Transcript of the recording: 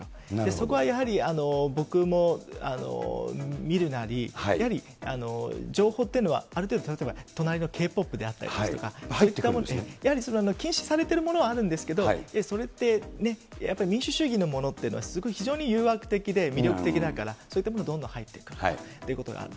そこはやはり僕も見るなり、やはり情報っていうのは、ある程度、例えば隣のＫ−ＰＯＰであったりですとか、ああいったものですね、やっぱり禁止されてるものではあるんですけど、それってね、やっぱり民主主義のものっていうのは、すごい非常に誘惑的で魅力的だから、そういったものはどんどん入ってくるということがある。